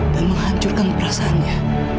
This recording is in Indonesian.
dan menghancurkan perasaannya